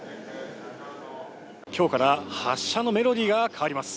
きょうから発車のメロディーが変わります。